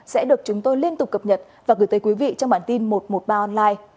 sẽ được chúng tôi liên tục cập nhật và gửi tới quý vị trong bản tin một trăm một mươi ba online